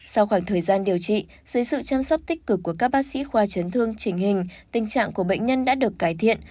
sau khoảng thời gian điều trị dưới sự chăm sóc tích cực của các bác sĩ khoa chấn thương trình hình tình trạng của bệnh nhân đã được cải thiện